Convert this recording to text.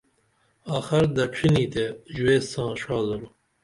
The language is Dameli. آخر دڇھینی تے ژویس ساں ڜا درو